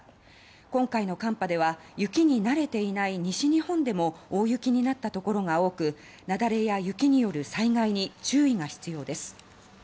今回の寒波では雪に慣れていない西日本でも大雪になったところが多くなだれや雪による災害に注意が必要です。